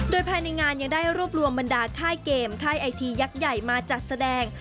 โดยภายในงานยังได้รวบรวมบรรดาค่ายเกมค่ายไอทียักษ์ใหญ่มาจัดแสดง